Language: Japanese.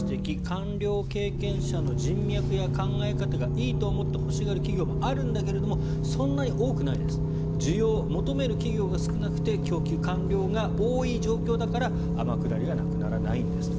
官僚経験者の人脈や考え方がいいと思って欲しがる企業もあるんだけどもそんなに多くないです需要、求める企業が少なくて供給、官僚が多い状況だから天下りがなくならないんですと。